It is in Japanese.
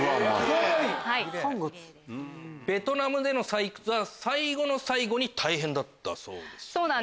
ベトナムでの採掘は最後の最後に大変だったそうですね。